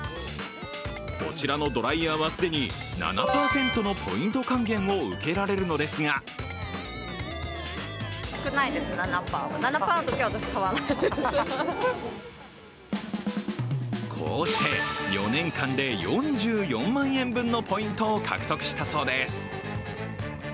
こちらのドライヤーは既に７％のポイント還元を受けられるのですがこうして４年間で４４万円分のポイントを獲得したそうです。